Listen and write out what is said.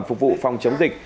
phục vụ phòng chống dịch